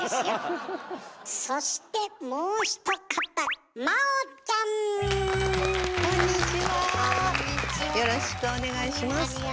よろしくお願いします。